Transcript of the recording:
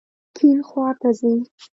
کیڼ خواته ځئ